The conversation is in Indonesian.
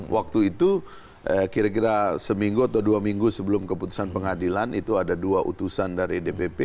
waktu itu kira kira seminggu atau dua minggu sebelum keputusan pengadilan itu ada dua utusan dari dpp